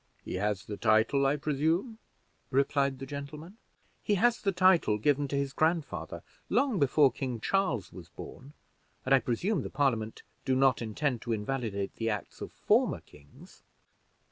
"He has the title, I presume," replied the gentleman. "He has the title given to his grandfather, long before King Charles was born, and I presume the Parliament do not intend to invalidate the acts of former kings."